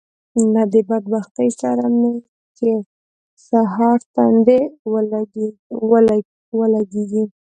له دې بدبخت سره مې چې سهار تندی ولګېږي